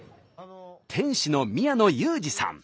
店主の宮野裕次さん。